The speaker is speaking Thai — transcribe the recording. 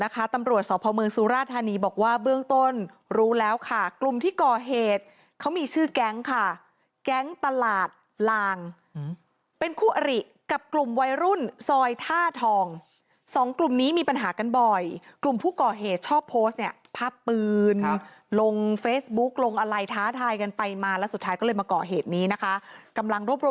ก็ไม่รู้ว่าเป็นปัญหาที่อื่นมาไหมใช่ไหม